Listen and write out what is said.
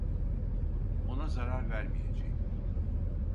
Ona zarar vermeyeceğim.